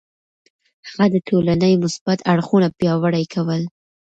هغه د ټولنې مثبت اړخونه پياوړي کول.